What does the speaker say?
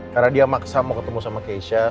karena dia maksa mau ketemu sama keisha